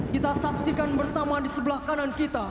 kita saksikan bersama di sebelah kanan kita